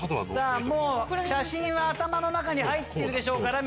もう写真は頭の中に入ってるでしょうから。